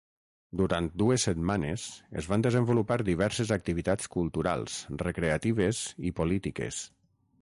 Durant dues setmanes es van desenvolupar diverses activitats culturals, recreatives i polítiques.